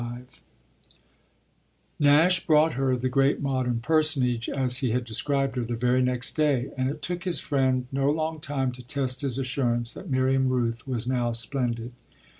XXV Nash brought her, the great modern personage, as he had described her, the very next day, and it took his friend no long time to test his assurance that Miriam Rooth was now splendid.